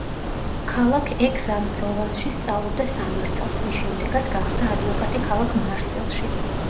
ქალაქ ექს-ან-პროვანსში სწავლობდა სამართალს, რის შემდეგაც გახდა ადვოკატი ქალაქ მარსელში.